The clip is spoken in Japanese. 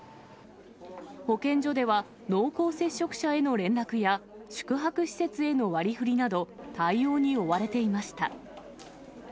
保健所では、濃厚接触者への連絡や、宿泊施設への割りふりなど対応に追われていました。